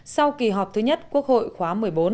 sau kỳ họp thứ nhất quốc hội khóa một mươi bốn